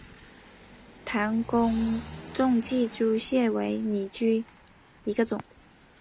弹弓肿寄居蟹为拟寄居蟹科肿寄居蟹属下的一个种。